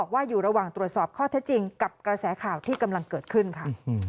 ว่าอยู่ระหว่างตรวจสอบข้อเท็จจริงกับกระแสข่าวที่กำลังเกิดขึ้นค่ะ